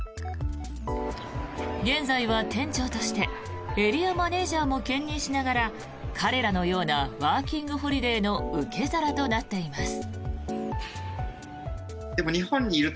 現在は店長としてエリアマネジャーも兼任しながら彼らのようなワーキングホリデーの受け皿となっています。